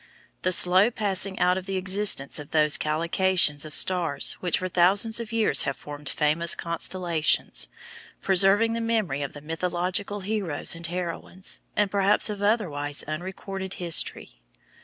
The slow passing out of existence of those collocations of stars which for thousands of years have formed famous "constellations," preserving the memory of mythological heroes and heroines, and perhaps of otherwise unrecorded history.